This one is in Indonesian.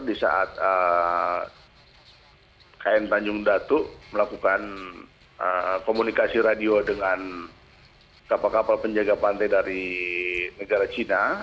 di saat kn tanjung datuk melakukan komunikasi radio dengan kapal kapal penjaga pantai dari negara cina